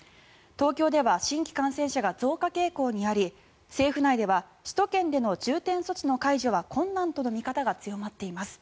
東京では新規感染者が増加傾向にあり政府内では首都圏での重点措置の解除は困難との見方が強まっています。